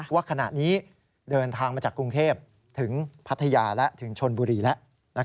ว่าขณะนี้เดินทางมาจากกรุงเทพถึงพัทยาและถึงชนบุรีแล้ว